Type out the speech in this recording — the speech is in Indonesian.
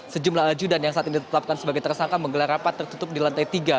sejumlah ajudan yang saat ini ditetapkan sebagai tersangka menggelar rapat tertutup di lantai tiga